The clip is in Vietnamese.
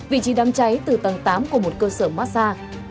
vị trí đám cháy từ tầng tám của một cơ sở massage